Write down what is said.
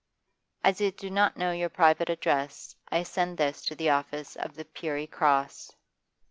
'As I do not know your private address, I send this to the office of the "Piery Cross."